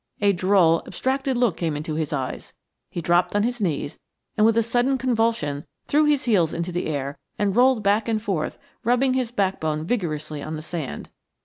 A droll abstracted look came into his eyes, he dropped on his knees and, with a sudden convulsion, threw his heels into the air and rolled back and forth, rubbing his backbone vigorously on the sand.